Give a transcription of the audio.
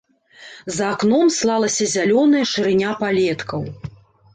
За акном слалася зялёная шырыня палеткаў.